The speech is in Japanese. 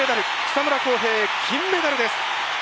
草村航平金メダルです！